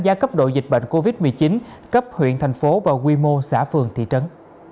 gia cấp độ dịch bệnh covid một mươi chín cấp huyện thành phố và quy mô xã phường thị trấn